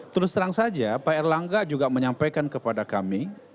terus terang saja pak erlangga juga menyampaikan kepada kami